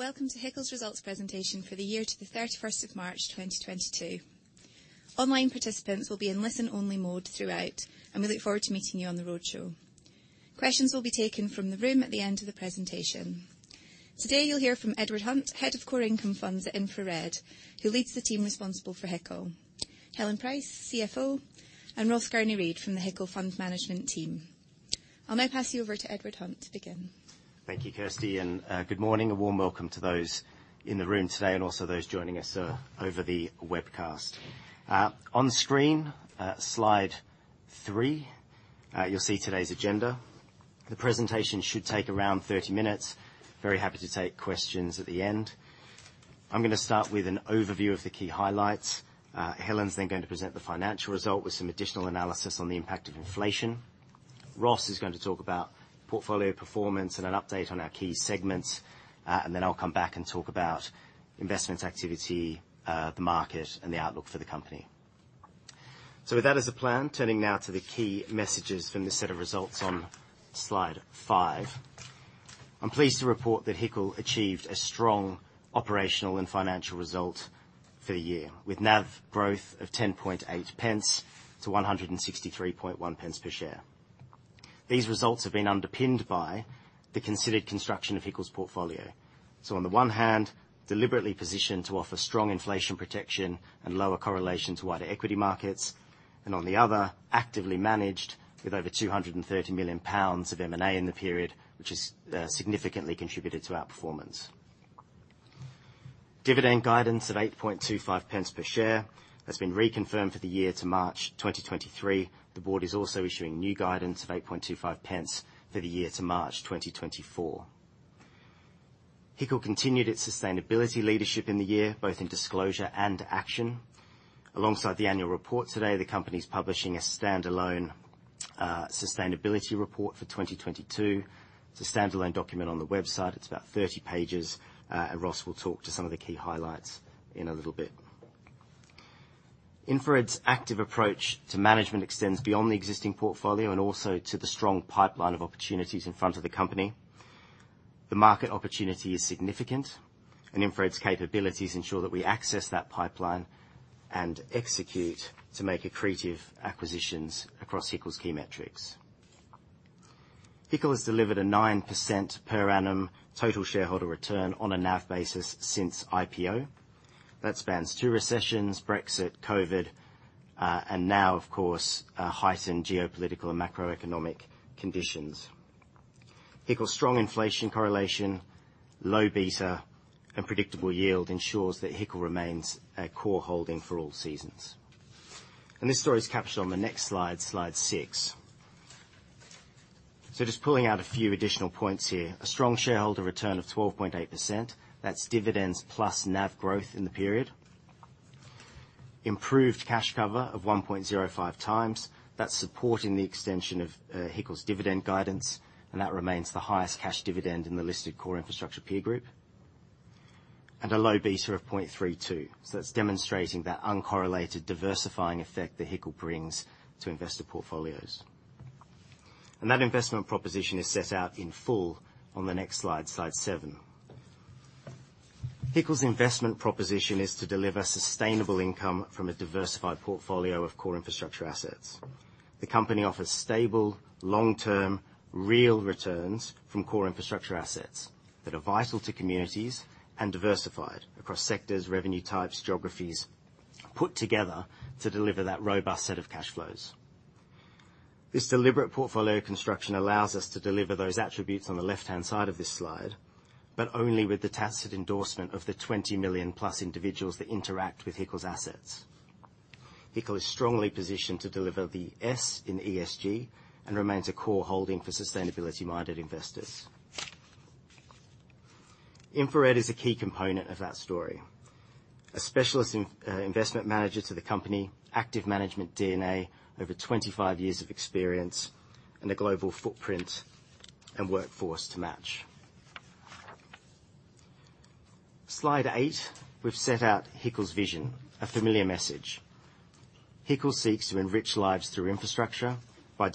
Welcome to HICL's results presentation for the year to the 31st of March 2022. Online participants will be in listen-only mode throughout, and we look forward to meeting you on the roadshow. Questions will be taken from the room at the end of the presentation. Today, you'll hear from Edward Hunt, head of Core Income Funds at InfraRed, who leads the team responsible for HICL. Helen Price, CFO, and Ross Gurney-Read from the HICL Fund Management team. I'll now pass you over to Edward Hunt to begin. Thank you, Kirsty, and good morning. A warm welcome to those in the room today and also those joining us over the webcast. On screen, slide three, you'll see today's agenda. The presentation should take around 30 minutes. Very happy to take questions at the end. I'm gonna start with an overview of the key highlights. Helen's then going to present the financial result with some additional analysis on the impact of inflation. Ross is going to talk about portfolio performance and an update on our key segments, and then I'll come back and talk about investment activity, the market, and the outlook for the company. With that as a plan, turning now to the key messages from this set of results on slide five. I'm pleased to report that HICL achieved a strong operational and financial result for the year, with NAV growth of 0.108 to 1.631 per share. These results have been underpinned by the considered construction of HICL's portfolio. On the one hand, deliberately positioned to offer strong inflation protection and lower correlation to wider equity markets, and on the other, actively managed with over 230 million pounds of M&A in the period, which has significantly contributed to our performance. Dividend guidance of 0.0825 per share has been reconfirmed for the year to March 2023. The board is also issuing new guidance of 0.0825 for the year to March 2024. HICL continued its sustainability leadership in the year, both in disclosure and action. Alongside the annual report today, the company's publishing a standalone sustainability report for 2022. It's a standalone document on the website. It's about 30 pages. Ross will talk to some of the key highlights in a little bit. InfraRed's active approach to management extends beyond the existing portfolio and also to the strong pipeline of opportunities in front of the company. The market opportunity is significant, and InfraRed's capabilities ensure that we access that pipeline and execute to make accretive acquisitions across HICL's key metrics. HICL has delivered a 9% per annum total shareholder return on a NAV basis since IPO. That spans two recessions, Brexit, COVID, and now of course a heightened geopolitical and macroeconomic conditions. HICL's strong inflation correlation, low beta, and predictable yield ensures that HICL remains a core holding for all seasons. This story is captured on the next slide six. Just pulling out a few additional points here. A strong shareholder return of 12.8%. That's dividends plus NAV growth in the period. Improved cash cover of 1.05 times. That's supporting the extension of HICL's dividend guidance, and that remains the highest cash dividend in the listed core infrastructure peer group. A low beta of 0.32. That's demonstrating that uncorrelated diversifying effect that HICL brings to investor portfolios. That investment proposition is set out in full on the next slide seven. HICL's investment proposition is to deliver sustainable income from a diversified portfolio of core infrastructure assets. The company offers stable, long-term, real returns from core infrastructure assets that are vital to communities and diversified across sectors, revenue types, geographies, put together to deliver that robust set of cash flows. This deliberate portfolio construction allows us to deliver those attributes on the left-hand side of this slide, but only with the tacit endorsement of the 20 million plus individuals that interact with HICL's assets. HICL is strongly positioned to deliver the S in ESG and remains a core holding for sustainability-minded investors. InfraRed is a key component of that story. A specialist in, investment manager to the company, active management DNA, over 25 years of experience, and a global footprint and workforce to match. Slide eight, we've set out HICL's vision, a familiar message. HICL seeks to enrich lives through infrastructure by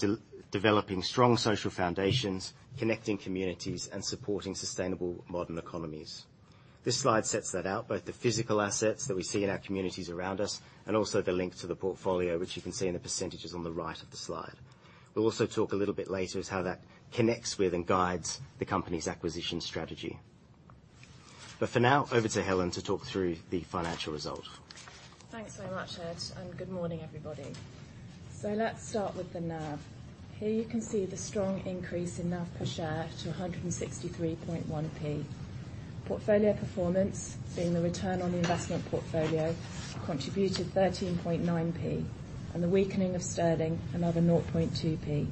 developing strong social foundations, connecting communities, and supporting sustainable modern economies. This slide sets that out, both the physical assets that we see in our communities around us and also the link to the portfolio, which you can see in the percentages on the right of the slide. We'll also talk a little bit later about how that connects with and guides the company's acquisition strategy. For now, over to Helen to talk through the financial result. Thanks very much, Ed, and good morning, everybody. Let's start with the NAV. Here you can see the strong increase in NAV per share to 163.1p. Portfolio performance, being the return on the investment portfolio, contributed 13.9p, and the weakening of sterling, another 0.2p.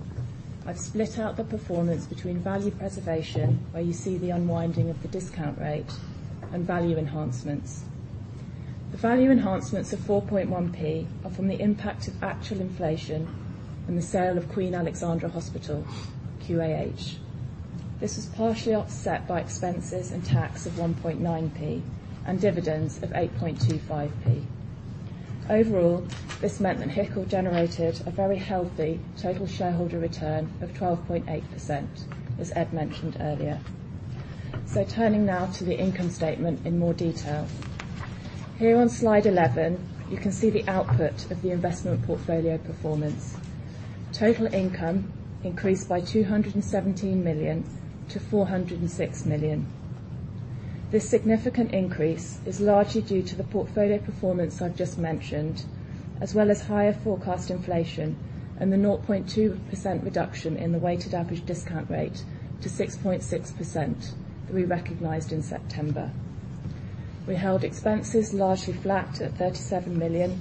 I've split out the performance between value preservation, where you see the unwinding of the discount rate, and value enhancements. The value enhancements of 4.1p are from the impact of actual inflation and the sale of Queen Alexandra Hospital, QAH. This was partially offset by expenses and tax of 1.9p and dividends of 8.25p. Overall, this meant that HICL generated a very healthy total shareholder return of 12.8%, as Ed mentioned earlier. Turning now to the income statement in more detail. Here on slide 11, you can see the output of the investment portfolio performance. Total income increased by 217 million to 406 million. This significant increase is largely due to the portfolio performance I've just mentioned, as well as higher forecast inflation and the 0.2% reduction in the weighted average discount rate to 6.6% that we recognized in September. We held expenses largely flat at 37 million,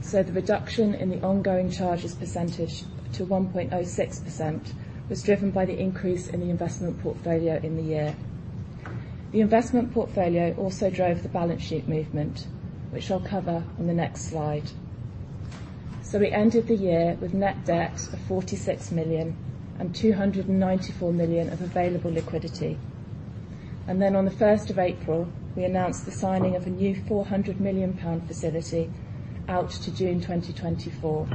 so the reduction in the ongoing charges percentage to 1.06% was driven by the increase in the investment portfolio in the year. The investment portfolio also drove the balance sheet movement, which I'll cover on the next slide. We ended the year with net debt of 46 million and 294 million of available liquidity. On the 1st of April, we announced the signing of a new 400 million pound facility out to June 2024,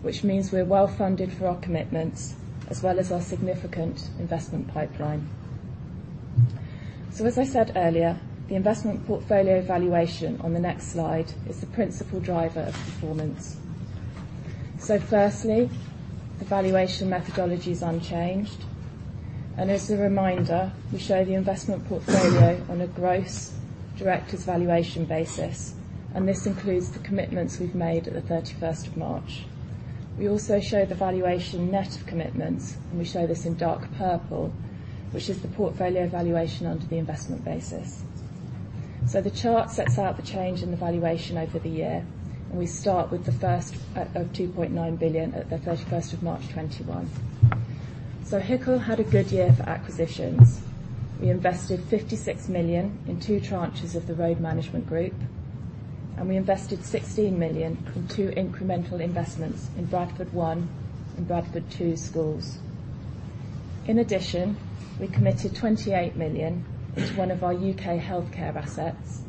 which means we're well-funded for our commitments as well as our significant investment pipeline. As I said earlier, the investment portfolio valuation on the next slide is the principal driver of performance. Firstly, the valuation methodology is unchanged. As a reminder, we show the investment portfolio on a gross director's valuation basis, and this includes the commitments we've made at the 31st of March. We also show the valuation net of commitments, and we show this in dark purple, which is the portfolio valuation under the investment basis. The chart sets out the change in the valuation over the year, and we start with 2.9 billion at the 31 March 2021. HICL had a good year for acquisitions. We invested 56 million in two tranches of the Road Management Group, and we invested 16 million in two incremental investments in Bradford 1 and Bradford 2 schools. In addition, we committed 28 million into one of our UK healthcare assets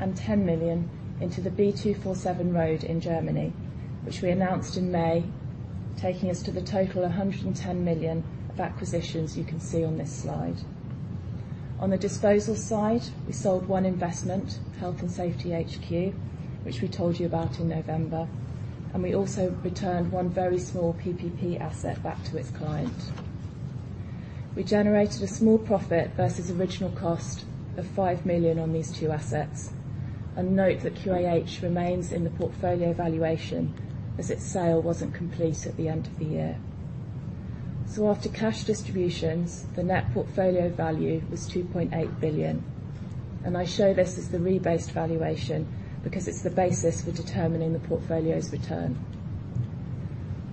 and 10 million into the B247 road in Germany, which we announced in May, taking us to the total of 110 million of acquisitions you can see on this slide. On the disposal side, we sold one investment, Health & Safety Executive HQ, which we told you about in November, and we also returned one very small PPP asset back to its client. We generated a small profit versus original cost of 5 million on these two assets. Note that QAH remains in the portfolio valuation as its sale wasn't complete at the end of the year. After cash distributions, the net portfolio value was 2.8 billion. I show this as the rebased valuation because it's the basis for determining the portfolio's return.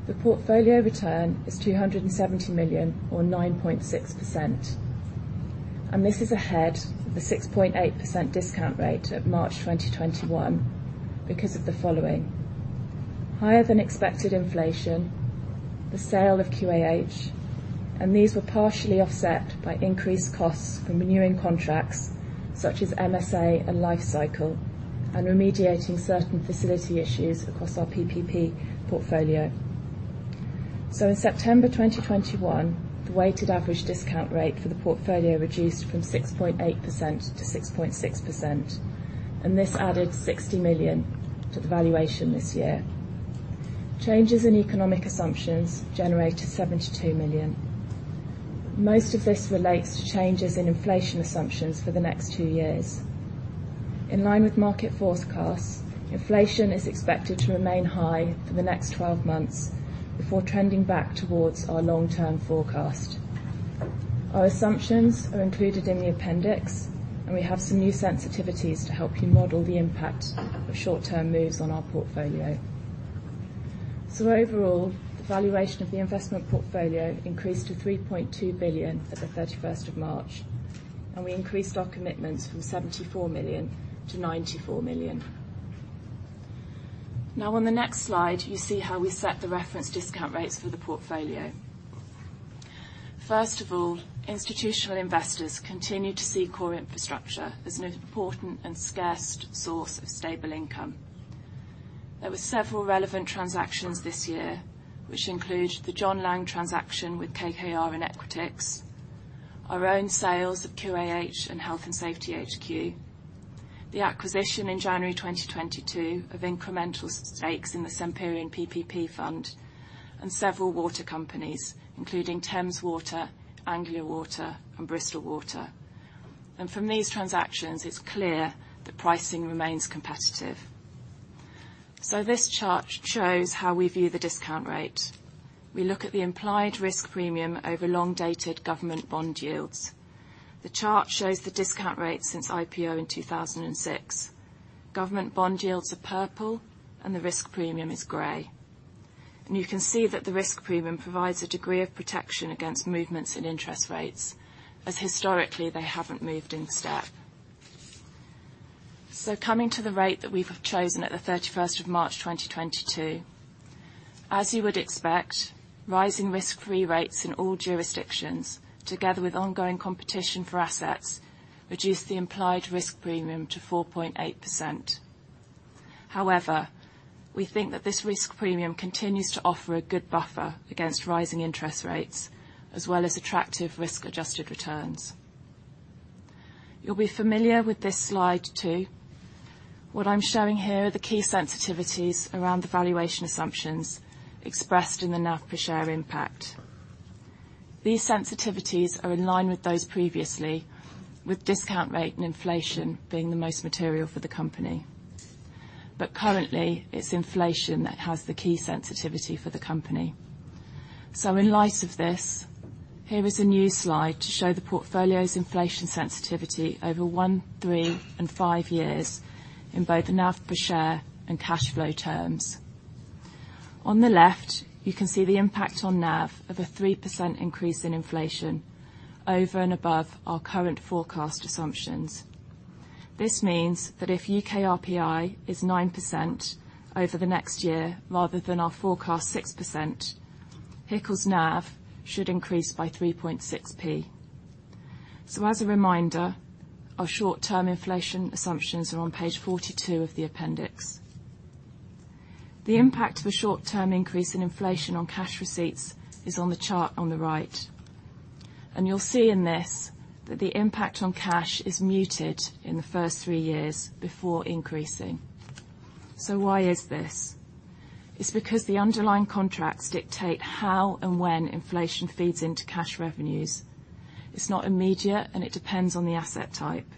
The portfolio return is 270 million or 9.6%, and this is ahead of the 6.8% discount rate at March 2021 because of the following, higher than expected inflation, the sale of QAH, and these were partially offset by increased costs from renewing contracts such as MSA and Lifecycle and remediating certain facility issues across our PPP portfolio. In September 2021, the weighted average discount rate for the portfolio reduced from 6.8% to 6.6%, and this added 60 million to the valuation this year. Changes in economic assumptions generated 72 million. Most of this relates to changes in inflation assumptions for the next two years. In line with market forecasts, inflation is expected to remain high for the next 12 months before trending back towards our long-term forecast. Our assumptions are included in the appendix, and we have some new sensitivities to help you model the impact of short-term moves on our portfolio. Overall, the valuation of the investment portfolio increased to 3.2 billion at the 31st of March, and we increased our commitments from 74 million to 94 million. Now on the next slide, you see how we set the reference discount rates for the portfolio. First of all, institutional investors continue to see core infrastructure as an important and scarce source of stable income. There were several relevant transactions this year, which include the John Laing transaction with KKR and Equitix, our own sales of QAH and Health & Safety Executive HQ, the acquisition in January 2022 of incremental stakes in the Semperian PPP Fund, and several water companies, including Thames Water, Anglian Water, and Bristol Water. From these transactions, it's clear that pricing remains competitive. This chart shows how we view the discount rate. We look at the implied risk premium over long-dated government bond yields. The chart shows the discount rate since IPO in 2006. Government bond yields are purple, and the risk premium is gray. You can see that the risk premium provides a degree of protection against movements in interest rates, as historically, they haven't moved in step. Coming to the rate that we've chosen at March 31, 2022. As you would expect, rising risk-free rates in all jurisdictions, together with ongoing competition for assets, reduced the implied risk premium to 4.8%. However, we think that this risk premium continues to offer a good buffer against rising interest rates as well as attractive risk-adjusted returns. You'll be familiar with this slide too. What I'm showing here are the key sensitivities around the valuation assumptions expressed in the NAV per share impact. These sensitivities are in line with those previously, with discount rate and inflation being the most material for the company. Currently, it's inflation that has the key sensitivity for the company. In light of this, here is a new slide to show the portfolio's inflation sensitivity over 1, 3, and 5 years in both NAV per share and cash flow terms. On the left, you can see the impact on NAV of a 3% increase in inflation over and above our current forecast assumptions. This means that if UK RPI is 9% over the next year rather than our forecast 6%, HICL's NAV should increase by 3.6p. As a reminder, our short-term inflation assumptions are on page 42 of the appendix. The impact of a short-term increase in inflation on cash receipts is on the chart on the right. You'll see in this that the impact on cash is muted in the first three years before increasing. Why is this? It's because the underlying contracts dictate how and when inflation feeds into cash revenues. It's not immediate, and it depends on the asset type.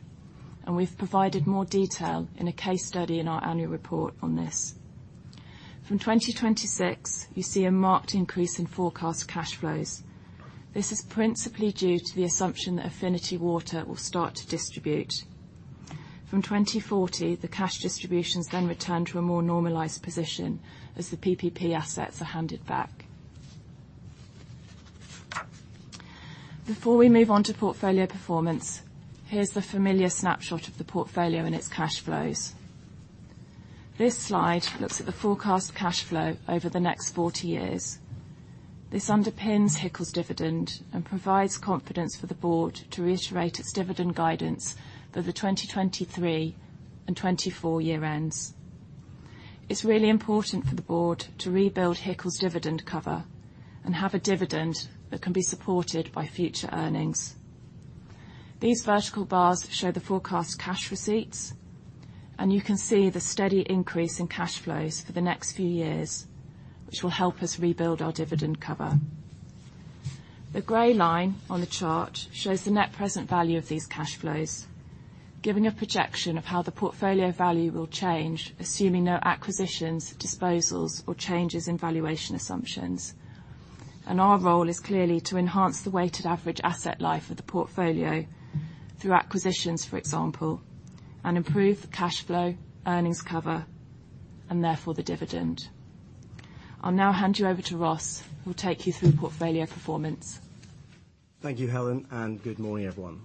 We've provided more detail in a case study in our annual report on this. From 2026, you see a marked increase in forecast cash flows. This is principally due to the assumption that Affinity Water will start to distribute. From 2040, the cash distributions then return to a more normalized position as the PPP assets are handed back. Before we move on to portfolio performance, here's the familiar snapshot of the portfolio and its cash flows. This slide looks at the forecast cash flow over the next 40 years. This underpins HICL's dividend and provides confidence for the board to reiterate its dividend guidance for the 2023 and 2024 year ends. It's really important for the board to rebuild HICL's dividend cover and have a dividend that can be supported by future earnings. These vertical bars show the forecast cash receipts, and you can see the steady increase in cash flows for the next few years, which will help us rebuild our dividend cover. The gray line on the chart shows the net present value of these cash flows, giving a projection of how the portfolio value will change, assuming no acquisitions, disposals, or changes in valuation assumptions. Our role is clearly to enhance the weighted average asset life of the portfolio through acquisitions, for example, and improve the cash flow, earnings cover, and therefore the dividend. I'll now hand you over to Ross, who will take you through portfolio performance. Thank you, Helen, and good morning, everyone.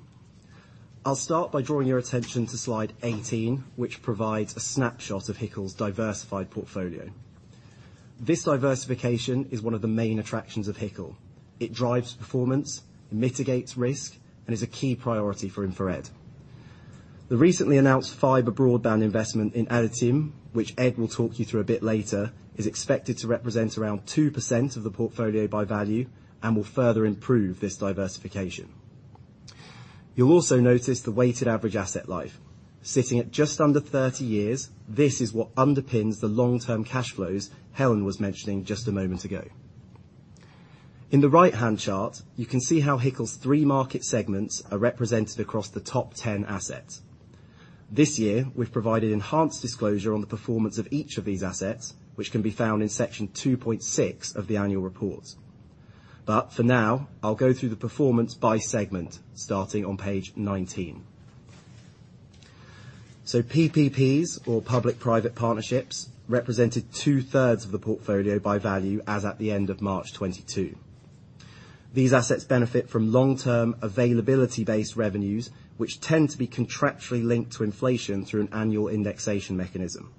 I'll start by drawing your attention to slide 18, which provides a snapshot of HICL's diversified portfolio. This diversification is one of the main attractions of HICL. It drives performance, mitigates risk, and is a key priority for InfraRed. The recently announced fiber broadband investment in ADATIM, which Ed will talk you through a bit later, is expected to represent around 2% of the portfolio by value and will further improve this diversification. You'll also notice the weighted average asset life. Sitting at just under 30 years, this is what underpins the long-term cash flows Helen was mentioning just a moment ago. In the right-hand chart, you can see how HICL's three market segments are represented across the top 10 assets. This year, we've provided enhanced disclosure on the performance of each of these assets, which can be found in section 2.6 of the annual report. For now, I'll go through the performance by segment, starting on page 19. PPPs, or public-private partnerships, represented two-thirds of the portfolio by value as at the end of March 2022. These assets benefit from long-term availability-based revenues, which tend to be contractually linked to inflation through an annual indexation mechanism.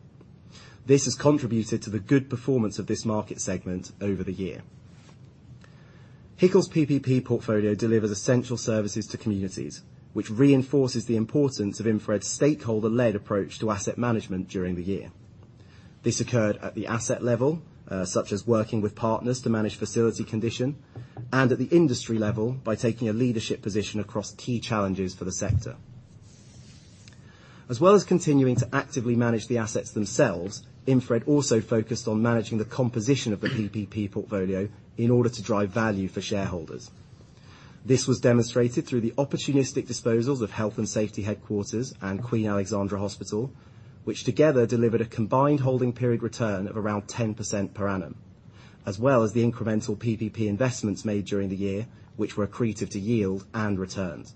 This has contributed to the good performance of this market segment over the year. HICL's PPP portfolio delivers essential services to communities, which reinforces the importance of InfraRed's stakeholder-led approach to asset management during the year. This occurred at the asset level, such as working with partners to manage facility condition, and at the industry level by taking a leadership position across key challenges for the sector. As well as continuing to actively manage the assets themselves, InfraRed also focused on managing the composition of the PPP portfolio in order to drive value for shareholders. This was demonstrated through the opportunistic disposals of Health & Safety Executive HQ and Queen Alexandra Hospital, which together delivered a combined holding period return of around 10% per annum, as well as the incremental PPP investments made during the year, which were accretive to yield and returns.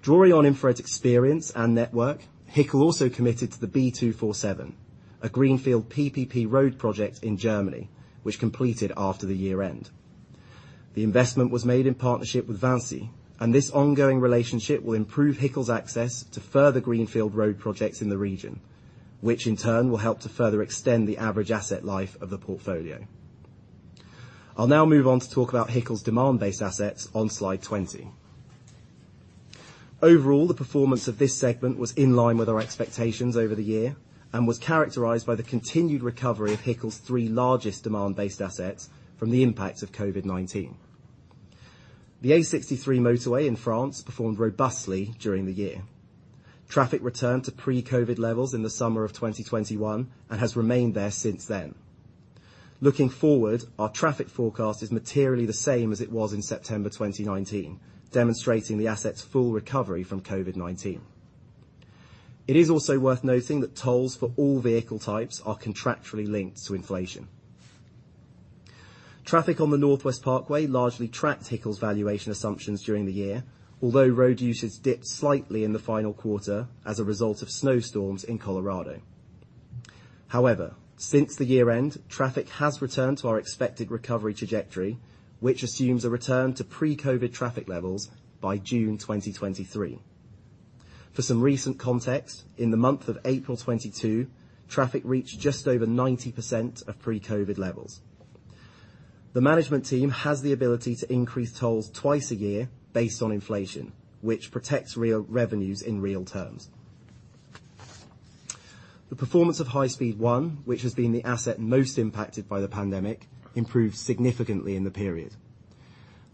Drawing on InfraRed's experience and network, HICL also committed to the B247, a greenfield PPP road project in Germany, which completed after the year end. The investment was made in partnership with VINCI, and this ongoing relationship will improve HICL's access to further greenfield road projects in the region, which in turn will help to further extend the average asset life of the portfolio. I'll now move on to talk about HICL's demand-based assets on slide 20. Overall, the performance of this segment was in line with our expectations over the year and was characterized by the continued recovery of HICL's three largest demand-based assets from the impacts of COVID-19. The A63 motorway in France performed robustly during the year. Traffic returned to pre-COVID levels in the summer of 2021 and has remained there since then. Looking forward, our traffic forecast is materially the same as it was in September 2019, demonstrating the asset's full recovery from COVID-19. It is also worth noting that tolls for all vehicle types are contractually linked to inflation. Traffic on the Northwest Parkway largely tracked HICL's valuation assumptions during the year, although road usage dipped slightly in the final quarter as a result of snowstorms in Colorado. However, since the year-end, traffic has returned to our expected recovery trajectory, which assumes a return to pre-COVID traffic levels by June 2023. For some recent context, in the month of April 2022, traffic reached just over 90% of pre-COVID levels. The management team has the ability to increase tolls twice a year based on inflation, which protects real revenues in real terms. The performance of High Speed 1, which has been the asset most impacted by the pandemic, improved significantly in the period.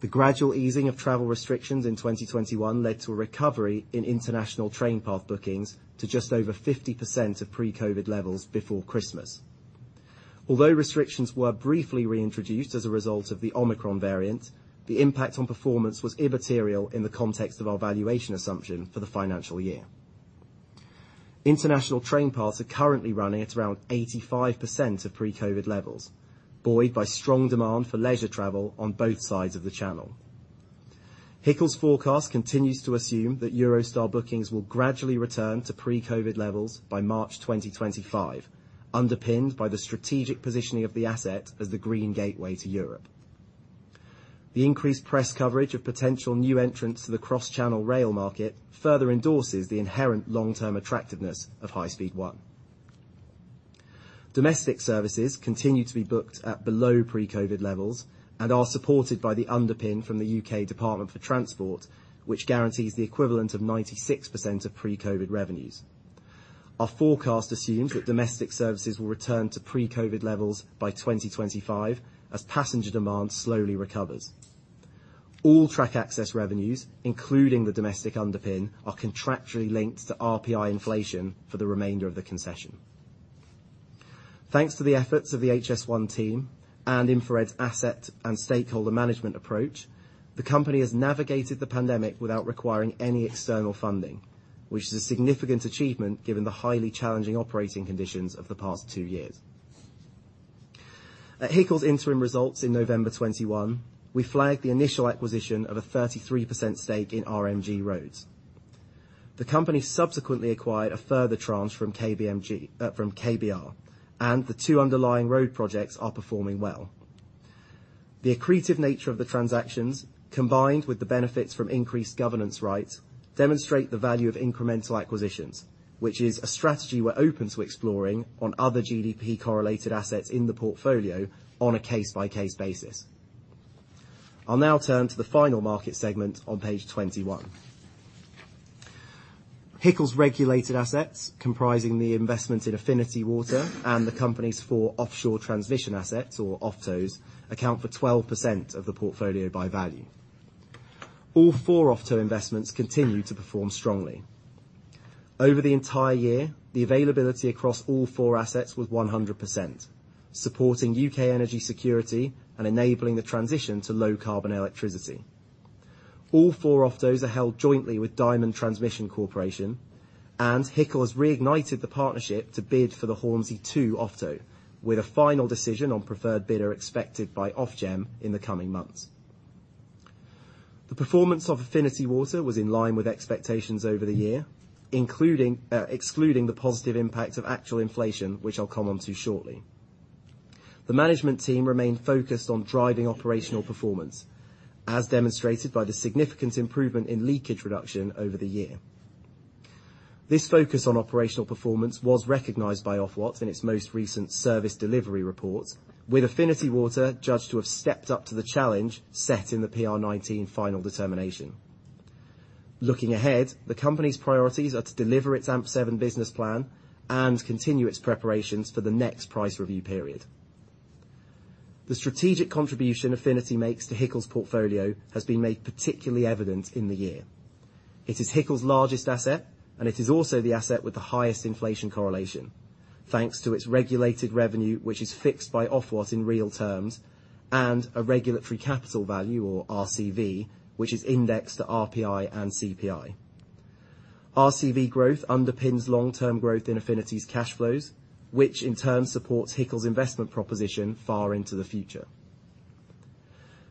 The gradual easing of travel restrictions in 2021 led to a recovery in international train path bookings to just over 50% of pre-COVID levels before Christmas. Although restrictions were briefly reintroduced as a result of the Omicron variant, the impact on performance was immaterial in the context of our valuation assumption for the financial year. International train paths are currently running at around 85% of pre-COVID levels, buoyed by strong demand for leisure travel on both sides of the channel. HICL's forecast continues to assume that Eurostar bookings will gradually return to pre-COVID levels by March 2025, underpinned by the strategic positioning of the asset as the green gateway to Europe. The increased press coverage of potential new entrants to the cross-channel rail market further endorses the inherent long-term attractiveness of High Speed One. Domestic services continue to be booked at below pre-COVID levels and are supported by the underpin from the UK Department for Transport, which guarantees the equivalent of 96% of pre-COVID revenues. Our forecast assumes that domestic services will return to pre-COVID levels by 2025 as passenger demand slowly recovers. All track access revenues, including the domestic underpin, are contractually linked to RPI inflation for the remainder of the concession. Thanks to the efforts of the HS1 team and InfraRed's asset and stakeholder management approach, the company has navigated the pandemic without requiring any external funding, which is a significant achievement given the highly challenging operating conditions of the past two years. At HICL's interim results in November 2021, we flagged the initial acquisition of a 33% stake in RMG Roads. The company subsequently acquired a further tranche from KBR, and the two underlying road projects are performing well. The accretive nature of the transactions, combined with the benefits from increased governance rights, demonstrate the value of incremental acquisitions, which is a strategy we're open to exploring on other GDP-correlated assets in the portfolio on a case-by-case basis. I'll now turn to the final market segment on page 21. HICL's regulated assets, comprising the investment in Affinity Water and the company's four offshore transmission assets, or OFTOs, account for 12% of the portfolio by value. All four OFTO investments continue to perform strongly. Over the entire year, the availability across all four assets was 100%, supporting UK energy security and enabling the transition to low-carbon electricity. All four OFTOs are held jointly with Diamond Transmission Corporation, and HICL has reignited the partnership to bid for the Hornsea II OFTO, with a final decision on preferred bidder expected by Ofgem in the coming months. The performance of Affinity Water was in line with expectations over the year, including, excluding the positive impact of actual inflation, which I'll come on to shortly. The management team remained focused on driving operational performance, as demonstrated by the significant improvement in leakage reduction over the year. This focus on operational performance was recognized by Ofwat in its most recent service delivery report, with Affinity Water judged to have stepped up to the challenge set in the PR19 final determination. Looking ahead, the company's priorities are to deliver its AMP7 business plan and continue its preparations for the next price review period. The strategic contribution Affinity makes to HICL's portfolio has been made particularly evident in the year. It is HICL's largest asset, and it is also the asset with the highest inflation correlation, thanks to its regulated revenue, which is fixed by Ofwat in real terms, and a regulatory capital value, or RCV, which is indexed to RPI and CPI. RCV growth underpins long-term growth in Affinity's cash flows, which in turn supports HICL's investment proposition far into the future.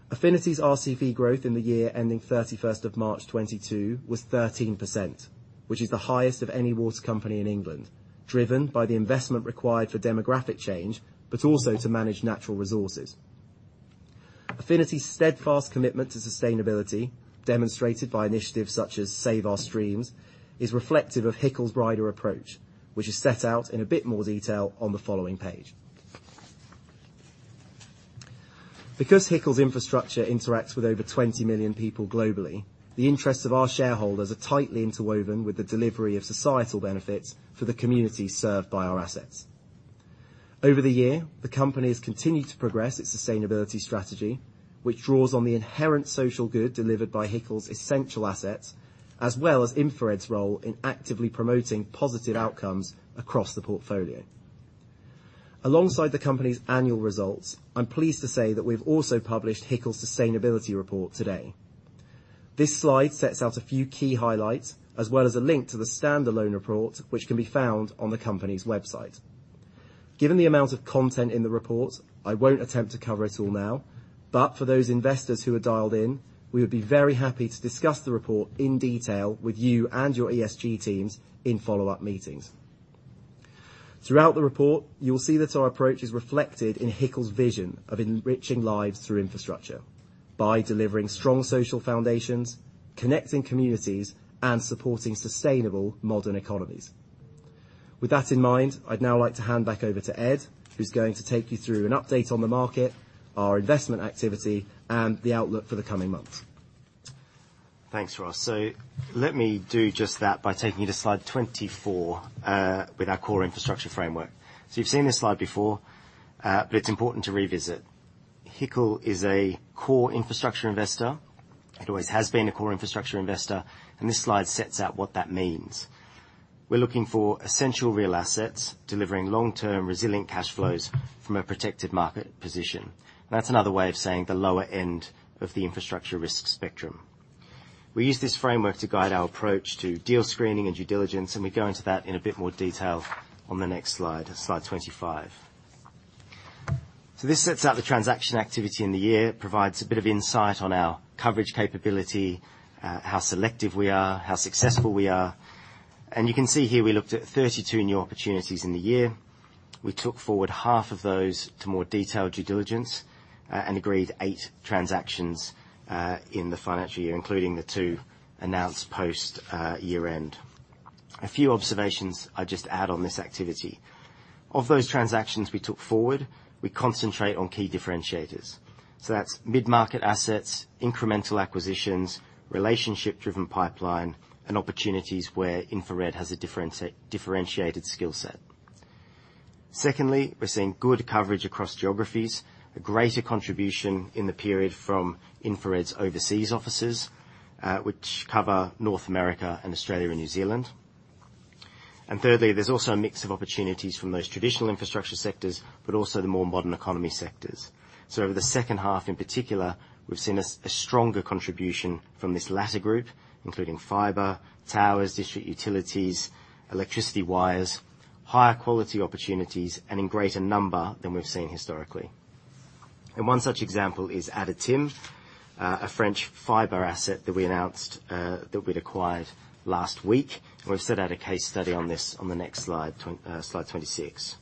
Affinity's RCV growth in the year ending 31 March 2022 was 13%, which is the highest of any water company in England, driven by the investment required for demographic change, but also to manage natural resources. Affinity's steadfast commitment to sustainability, demonstrated by initiatives such as Save Our Streams, is reflective of HICL's wider approach, which is set out in a bit more detail on the following page. Because HICL's infrastructure interacts with over 20 million people globally, the interests of our shareholders are tightly interwoven with the delivery of societal benefits for the communities served by our assets. Over the year, the company has continued to progress its sustainability strategy, which draws on the inherent social good delivered by HICL's essential assets, as well as InfraRed's role in actively promoting positive outcomes across the portfolio. Alongside the company's annual results, I'm pleased to say that we've also published HICL's sustainability report today. This slide sets out a few key highlights, as well as a link to the standalone report, which can be found on the company's website. Given the amount of content in the report, I won't attempt to cover it all now, but for those investors who are dialed in, we would be very happy to discuss the report in detail with you and your ESG teams in follow-up meetings. Throughout the report, you will see that our approach is reflected in HICL's vision of enriching lives through infrastructure by delivering strong social foundations, connecting communities, and supporting sustainable modern economies. With that in mind, I'd now like to hand back over to Ed, who's going to take you through an update on the market, our investment activity, and the outlook for the coming months. Thanks, Ross. Let me do just that by taking you to slide 24, with our core infrastructure framework. You've seen this slide before, but it's important to revisit. HICL is a core infrastructure investor. It always has been a core infrastructure investor, and this slide sets out what that means. We're looking for essential real assets, delivering long-term resilient cash flows from a protected market position. That's another way of saying the lower end of the infrastructure risk spectrum. We use this framework to guide our approach to deal screening and due diligence, and we go into that in a bit more detail on the next slide 25. This sets out the transaction activity in the year. It provides a bit of insight on our coverage capability, how selective we are, how successful we are. You can see here we looked at 32 new opportunities in the year. We took forward half of those to more detailed due diligence, and agreed 8 transactions in the financial year, including the two announced post year-end. A few observations I'd just add on this activity. Of those transactions we took forward, we concentrate on key differentiators. So that's mid-market assets, incremental acquisitions, relationship driven pipeline, and opportunities where InfraRed has a differentiated skill set. Secondly, we're seeing good coverage across geographies, a greater contribution in the period from InfraRed's overseas offices, which cover North America and Australia and New Zealand. Thirdly, there's also a mix of opportunities from those traditional infrastructure sectors, but also the more modern economy sectors. Over the second half, in particular, we've seen a stronger contribution from this latter group, including fiber, towers, district utilities, electricity wires, higher quality opportunities, and in greater number than we've seen historically. One such example is ADATIM, a French fiber asset that we announced that we'd acquired last week. We've set out a case study on this on the next slide 26.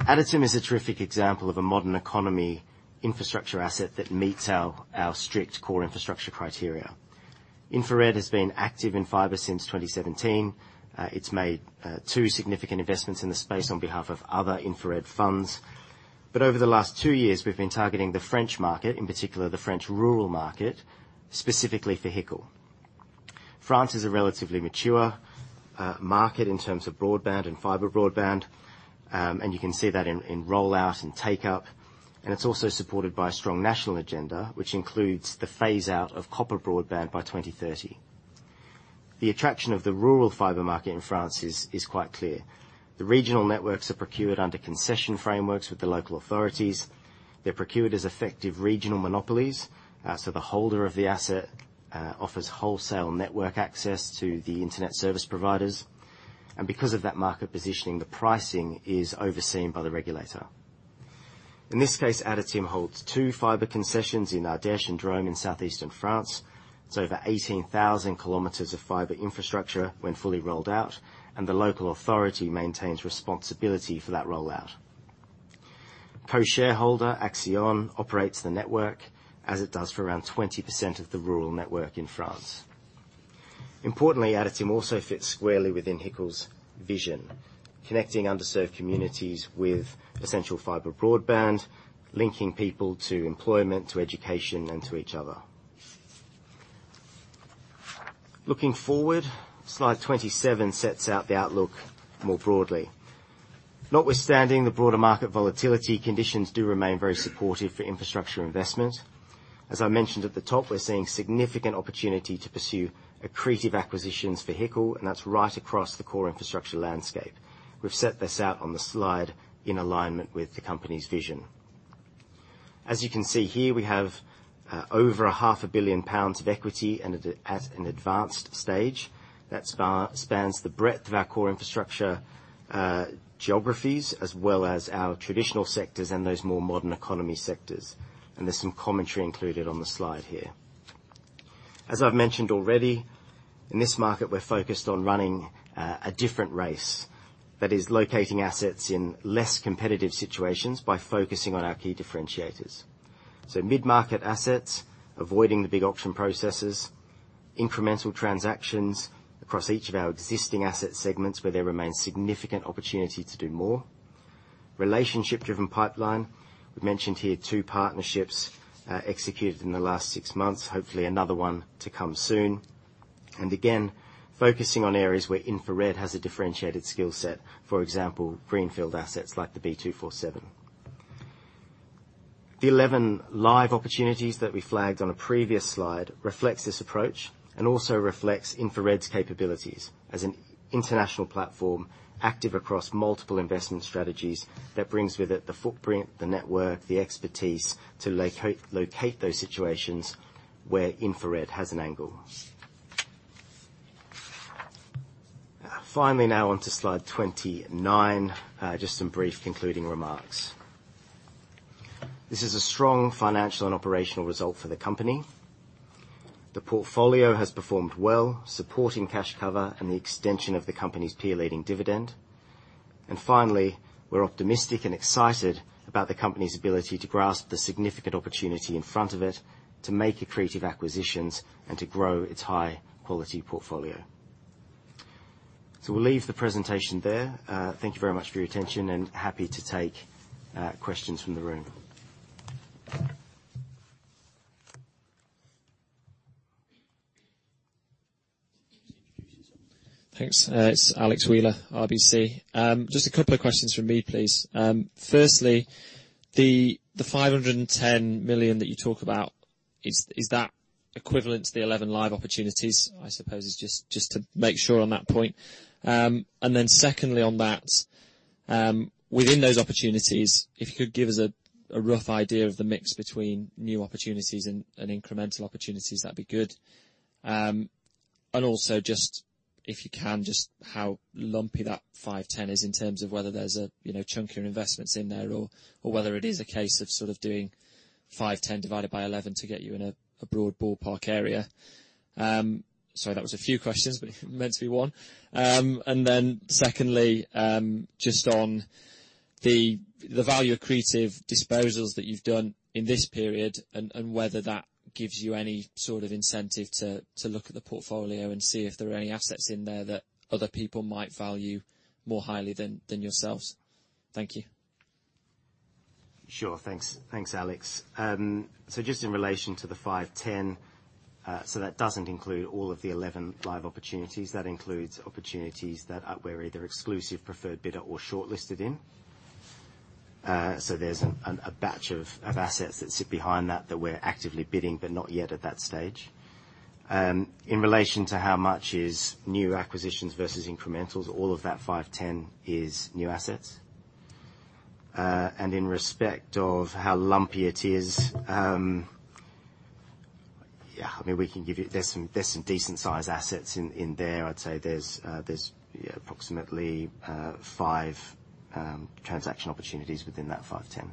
ADATIM is a terrific example of a modern economy infrastructure asset that meets our strict core infrastructure criteria. InfraRed has been active in fiber since 2017. It's made two significant investments in the space on behalf of other InfraRed funds. Over the last two years, we've been targeting the French market, in particular, the French rural market, specifically for HICL. France is a relatively mature market in terms of broadband and fiber broadband, and you can see that in rollout and take up. It's also supported by a strong national agenda, which includes the phase out of copper broadband by 2030. The attraction of the rural fiber market in France is quite clear. The regional networks are procured under concession frameworks with the local authorities. They're procured as effective regional monopolies. The holder of the asset offers wholesale network access to the internet service providers. Because of that market positioning, the pricing is overseen by the regulator. In this case, ADATIM holds two fiber concessions in Ardèche and Drôme in southeastern France. It's over 18,000 kilometers of fiber infrastructure when fully rolled out, and the local authority maintains responsibility for that rollout. Co-shareholder Axione operates the network as it does for around 20% of the rural network in France. Importantly, ADATIM also fits squarely within HICL's vision, connecting underserved communities with essential fiber broadband, linking people to employment, to education, and to each other. Looking forward, slide 27 sets out the outlook more broadly. Notwithstanding the broader market volatility, conditions do remain very supportive for infrastructure investment. As I mentioned at the top, we're seeing significant opportunity to pursue accretive acquisitions for HICL, and that's right across the core infrastructure landscape. We've set this out on the slide in alignment with the company's vision. As you can see here, we have over half a billion pounds of equity and at an advanced stage that spans the breadth of our core infrastructure geographies, as well as our traditional sectors and those more modern economy sectors. There's some commentary included on the slide here. As I've mentioned already, in this market, we're focused on running a different race. That is locating assets in less competitive situations by focusing on our key differentiators. Mid-market assets, avoiding the big auction processes, incremental transactions across each of our existing asset segments where there remains significant opportunity to do more. Relationship-driven pipeline. We've mentioned here two partnerships executed in the last six months, hopefully another one to come soon. Again, focusing on areas where InfraRed has a differentiated skill set, for example, greenfield assets like the B247. The 11 live opportunities that we flagged on a previous slide reflects this approach and also reflects InfraRed's capabilities as an international platform active across multiple investment strategies that brings with it the footprint, the network, the expertise to locate those situations where InfraRed has an angle. Finally, now on to slide 29. Just some brief concluding remarks. This is a strong financial and operational result for the company. The portfolio has performed well, supporting cash cover and the extension of the company's peer-leading dividend. Finally, we're optimistic and excited about the company's ability to grasp the significant opportunity in front of it, to make accretive acquisitions, and to grow its high-quality portfolio. We'll leave the presentation there. Thank you very much for your attention, and happy to take questions from the room. Thanks. It's Alexander Wheeler, RBC. Just a couple of questions from me, please. Firstly, the 510 million that you talk about, is that equivalent to the 11 live opportunities? I suppose it's just to make sure on that point. Then secondly, on that, within those opportunities, if you could give us a rough idea of the mix between new opportunities and incremental opportunities, that'd be good. Also just, if you can, just how lumpy that 510 is in terms of whether there's a, you know, chunkier investments in there or whether it is a case of sort of doing 510 divided by 11 to get you in a broad ballpark area. Sorry, that was a few questions, but meant to be one. Secondly, just on the value accretive disposals that you've done in this period and whether that gives you any sort of incentive to look at the portfolio and see if there are any assets in there that other people might value more highly than yourselves. Thank you. Sure. Thanks, Alex. Just in relation to the 510, that doesn't include all of the 11 live opportunities. That includes opportunities that we're either exclusive preferred bidder or shortlisted in. So there's a batch of assets that sit behind that we're actively bidding, but not yet at that stage. In relation to how much is new acquisitions versus incrementals, all of that 510 is new assets. In respect of how lumpy it is, yeah, I mean, we can give you. There's some decent sized assets in there. I'd say there's approximately 5 transaction opportunities within that 510.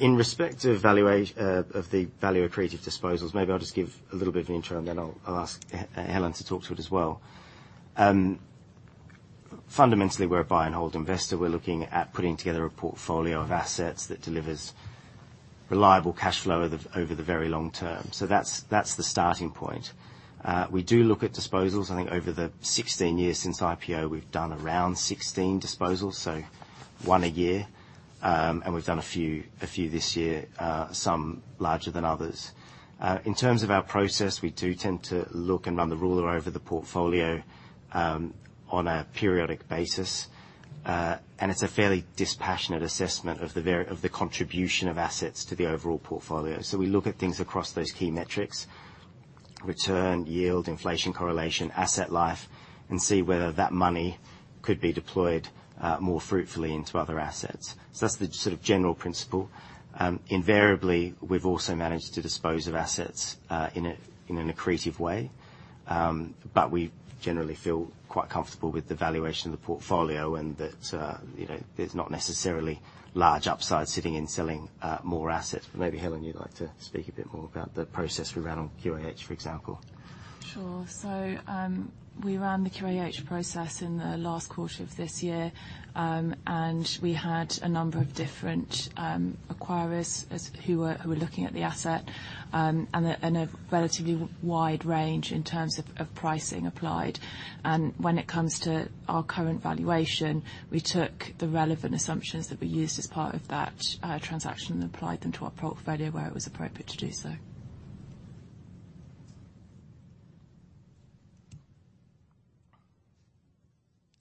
In respect to evaluation of the value accretive disposals, maybe I'll just give a little bit of intro and then I'll ask Helen to talk to it as well. Fundamentally, we're a buy-and-hold investor. We're looking at putting together a portfolio of assets that delivers reliable cash flow over the very long term. That's the starting point. We do look at disposals. I think over the 16 years since IPO, we've done around 16 disposals, so one a year. We've done a few this year, some larger than others. In terms of our process, we do tend to look and run the rule over the portfolio on a periodic basis, and it's a fairly dispassionate assessment of the contribution of assets to the overall portfolio. We look at things across those key metrics, return, yield, inflation correlation, asset life, and see whether that money could be deployed more fruitfully into other assets. That's just sort of the general principle. Invariably, we've also managed to dispose of assets in an accretive way. We generally feel quite comfortable with the valuation of the portfolio and that you know, there's not necessarily large upside sitting in selling more assets. Maybe, Helen, you'd like to speak a bit more about the process we ran on QAH, for example. Sure. We ran the QAH process in the last quarter of this year, and we had a number of different acquirers who were looking at the asset, and a relatively wide range in terms of pricing applied. When it comes to our current valuation, we took the relevant assumptions that were used as part of that transaction and applied them to our portfolio where it was appropriate to do so.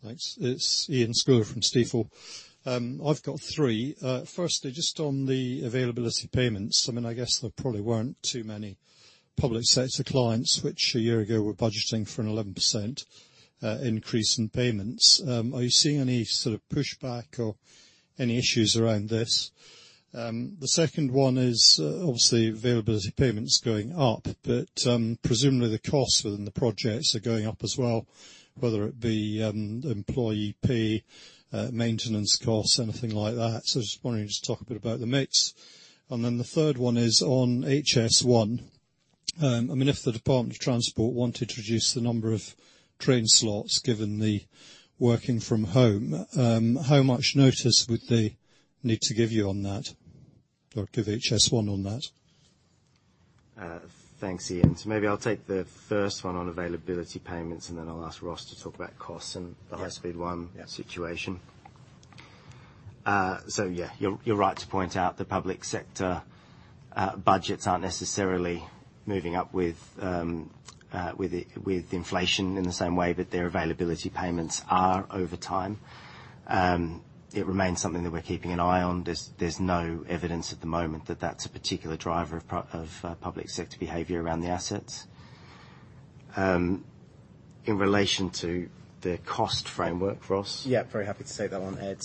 Thanks. It's Iain Scouller from Stifel. I've got three. Firstly, just on the availability payments, I mean, I guess there probably weren't too many public sector clients which a year ago were budgeting for an 11% increase in payments. Are you seeing any sort of pushback or any issues around this? The second one is, obviously availability payments going up, but, presumably the costs within the projects are going up as well, whether it be employee pay, maintenance costs, anything like that. So just wondering, just talk a bit about the mix. Then the third one is on HS1. I mean, if the Department for Transport wanted to reduce the number of train slots, given the working from home, how much notice would they need to give you on that or give HS1 on that? Thanks, Iain. Maybe I'll take the first one on availability payments, and then I'll ask Ross to talk about costs and- Yeah the High Speed 1 Yeah situation. Yeah, you're right to point out the public sector budgets aren't necessarily moving up with inflation in the same way, but their availability payments are over time. It remains something that we're keeping an eye on. There's no evidence at the moment that that's a particular driver of public sector behavior around the assets. In relation to the cost framework, Ross? Yeah, very happy to take that one, Ed.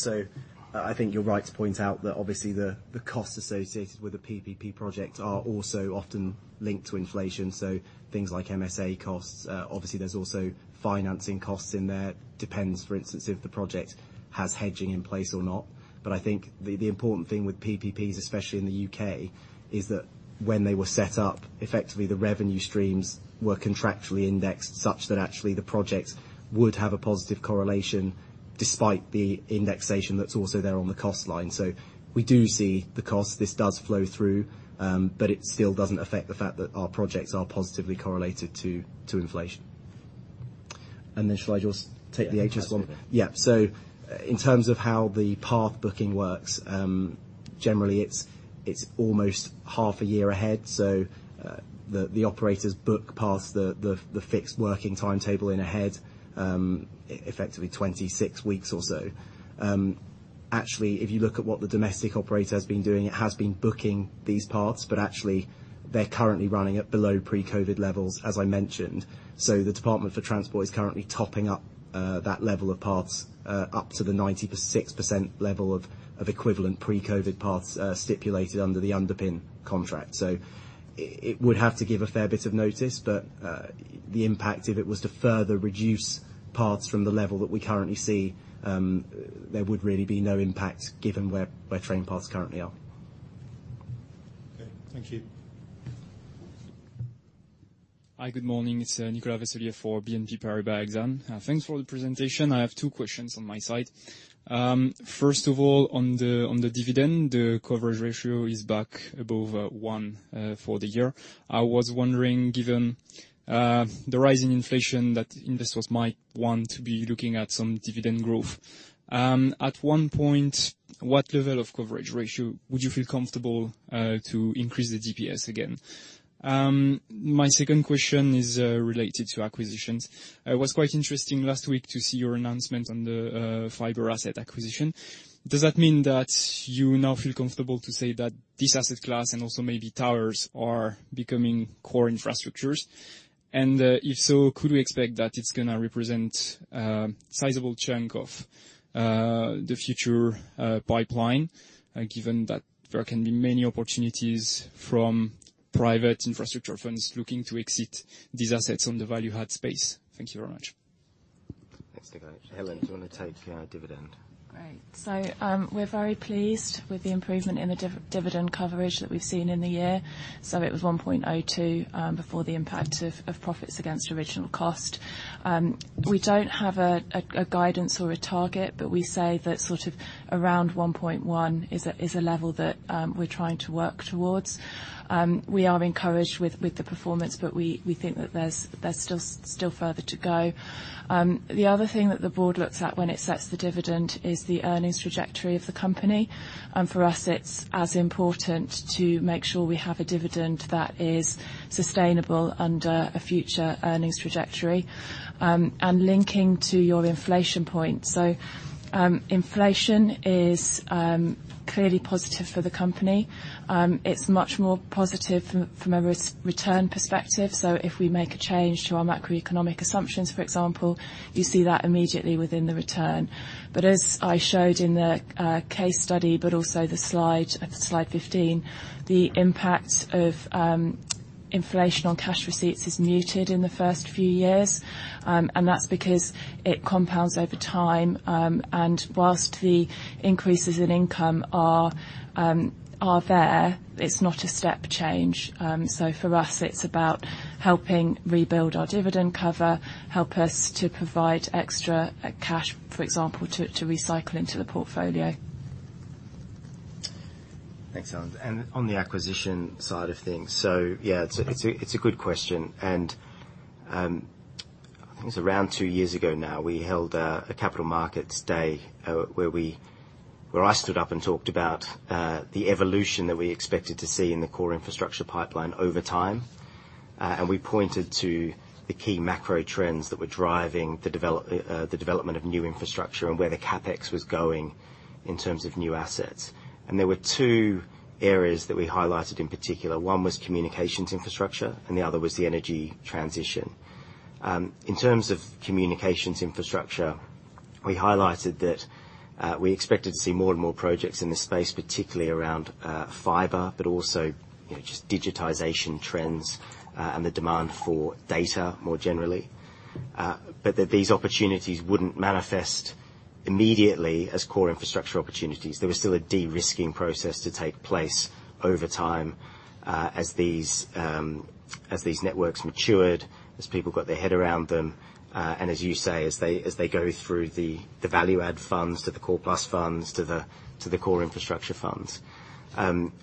I think you're right to point out that obviously the costs associated with the PPP project are also often linked to inflation, so things like MSA costs. Obviously there's also financing costs in there. Depends, for instance, if the project has hedging in place or not. I think the important thing with PPPs, especially in the UK, is that when they were set up, effectively the revenue streams were contractually indexed such that actually the projects would have a positive correlation despite the indexation that's also there on the cost line. We do see the cost. This does flow through, but it still doesn't affect the fact that our projects are positively correlated to inflation. Then shall I just take the HS1? Yeah. Yeah. In terms of how the path booking works, generally it's almost half a year ahead, the operators book paths to the fixed working timetable in advance, effectively 26 weeks or so. Actually, if you look at what the domestic operator has been doing, it has been booking these paths, but actually they're currently running at below pre-COVID levels, as I mentioned. The Department for Transport is currently topping up that level of paths up to the 96% level of equivalent pre-COVID paths stipulated under the underpin contract. It would have to give a fair bit of notice, but the impact, if it was to further reduce paths from the level that we currently see, there would really be no impact given where train paths currently are. Okay, thank you. Hi, good morning. It's Nicolas Veyssière for BNP Paribas Exane. Thanks for the presentation. I have two questions on my side. First of all, on the dividend, the coverage ratio is back above one for the year. I was wondering, given the rise in inflation, that investors might want to be looking at some dividend growth. At one point, what level of coverage ratio would you feel comfortable to increase the DPS again? My second question is related to acquisitions. It was quite interesting last week to see your announcements on the fiber asset acquisition. Does that mean that you now feel comfortable to say that this asset class, and also maybe towers, are becoming core infrastructures? If so, could we expect that it's gonna represent sizable chunk of the future pipeline given that there can be many opportunities from private infrastructure funds looking to exit these assets on the value add space? Thank you very much. Thanks, Nicolas. Helen, do you wanna take dividend? Great. We're very pleased with the improvement in the dividend coverage that we've seen in the year. It was 1.02 before the impact of profits against original cost. We don't have a guidance or a target, but we say that sort of around 1.1 is a level that we're trying to work towards. We are encouraged with the performance, but we think that there's still further to go. The other thing that the board looks at when it sets the dividend is the earnings trajectory of the company. For us, it's as important to make sure we have a dividend that is sustainable under a future earnings trajectory. Linking to your inflation point, inflation is clearly positive for the company. It's much more positive from a return perspective, so if we make a change to our macroeconomic assumptions, for example, you see that immediately within the return. As I showed in the case study, but also the slide 15, the impact of inflation on cash receipts is muted in the first few years. That's because it compounds over time, and while the increases in income are there, it's not a step change. For us, it's about helping rebuild our dividend cover, help us to provide extra cash, for example, to recycle into the portfolio. Thanks, Helen. On the acquisition side of things, so yeah, it's a good question. I think it was around two years ago now, we held a capital markets day, where I stood up and talked about the evolution that we expected to see in the core infrastructure pipeline over time. We pointed to the key macro trends that were driving the development of new infrastructure and where the CapEx was going in terms of new assets. There were two areas that we highlighted in particular. One was communications infrastructure, and the other was the energy transition. In terms of communications infrastructure, we highlighted that we expected to see more and more projects in this space, particularly around fiber, but also, you know, just digitization trends and the demand for data more generally, but that these opportunities wouldn't manifest immediately as core infrastructure opportunities. There was still a de-risking process to take place over time, as these networks matured, as people got their head around them, and as you say, as they go through the value add funds to the core plus funds, to the core infrastructure funds.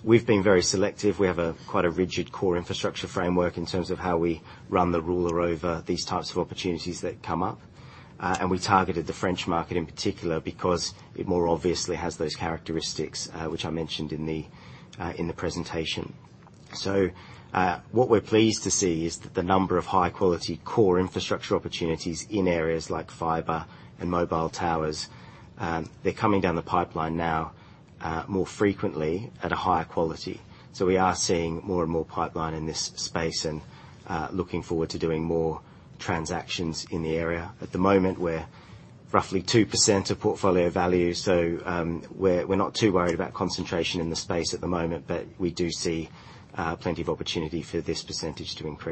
We've been very selective. We have quite a rigid core infrastructure framework in terms of how we run the rule over these types of opportunities that come up. We targeted the French market in particular because it more obviously has those characteristics, which I mentioned in the presentation. What we're pleased to see is that the number of high-quality core infrastructure opportunities in areas like fiber and mobile towers, they're coming down the pipeline now, more frequently at a higher quality. We are seeing more and more pipeline in this space and looking forward to doing more transactions in the area. At the moment, we're roughly 2% of portfolio value, so we're not too worried about concentration in the space at the moment, but we do see plenty of opportunity for this percentage to increase.